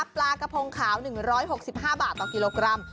ปลากระพงขาว๑๖๕บาทต่อกิโลกรัม